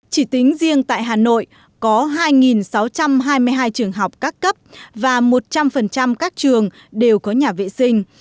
chỉ tính riêng tại hà nội có hai sáu trăm hai mươi hai trường học các cấp và một trăm linh các trường đều có nhà vệ sinh